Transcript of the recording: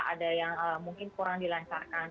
ada yang mungkin kurang dilancarkan